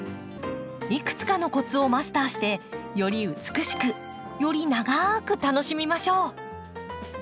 いくつかのコツをマスターしてより美しくより長く楽しみましょう。